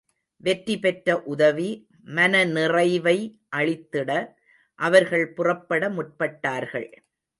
வெற்றி பெற்ற உதவி, மன நிறைவை அளித்திட அவர்கள் புறப்பட முற்பட்டார்கள்.